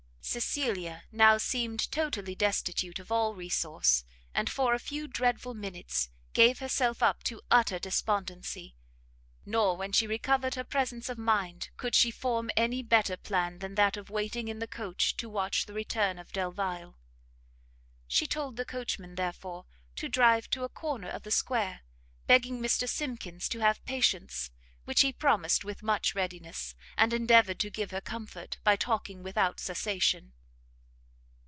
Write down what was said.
Cecilia now seemed totally destitute of all resource, and for a few dreadful minutes, gave herself up to utter despondency: nor, when she recovered her presence of mind, could she form any better plan than that of waiting in the coach to watch the return of Delvile. She told the coachman, therefore, to drive to a corner of the square, begging Mr Simkins to have patience, which he promised with much readiness, and endeavoured to give her comfort, by talking without cessation.